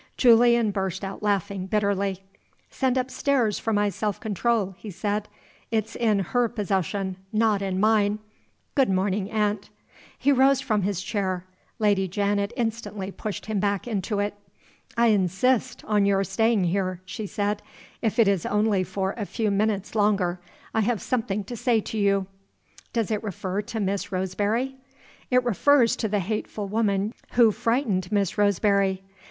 Julian burst out laughing bitterly. "Send upstairs for my self control," he said. "It's in her possession not in mine. Good morning, aunt." He rose from his chair. Lady Janet instantly pushed him back into it. "I insist on your staying here," she said, "if it is only for a few minutes longer. I have something to say to you." "Does it refer to Miss Roseberry?" "It refers to the hateful woman who frightened Miss Roseberry.